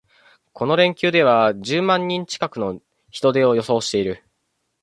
この連休では十万人近くの人出を予想している